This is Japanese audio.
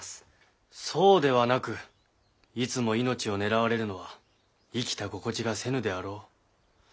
そうではなくいつも命を狙われるのは生きた心地がせぬであろう。